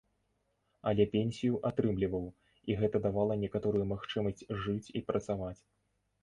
Але пенсію атрымліваў, і гэта давала некаторую магчымасць жыць і працаваць.